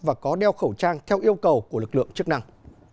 và có đeo khẩu trang theo yêu cầu của lực lượng chức năng